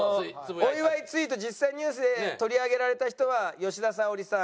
お祝いツイート実際ニュースで取り上げられた人は吉田沙保里さん